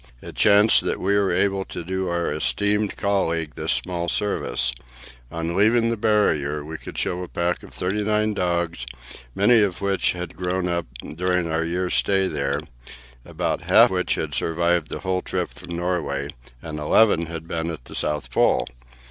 It chanced that we were able to do our esteemed colleague this small service. On leaving the Barrier we could show a pack of thirty nine dogs, many of which had grown up during our year's stay there; about half had survived the whole trip from Norway, and eleven had been at the South Pole.